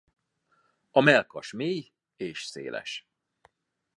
A mellkas mély és széles.